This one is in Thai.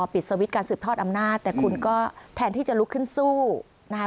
ปิดสวิตช์การสืบทอดอำนาจแต่คุณก็แทนที่จะลุกขึ้นสู้นะคะ